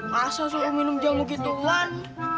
masa selalu minum jamu gituan